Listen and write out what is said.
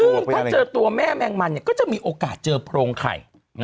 ซึ่งถ้าเจอตัวแม่แมงมันก็จะมีโอกาสเจอโพรงไข่